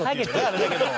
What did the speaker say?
あれだけど。